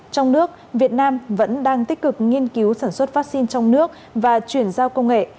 trong nước việt nam vẫn đang tích cực nghiên cứu sản xuất vaccine trong nước và chuyển giao công nghệ